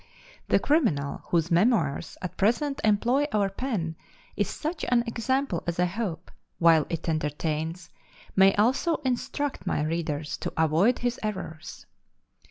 The criminal whose memoirs at present employ our pen is such an example as I hope, while it entertains, may also instruct my readers to avoid his errors.